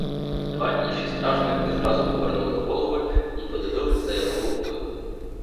Два інші стражники зразу повернули голови й подивились за його рукою.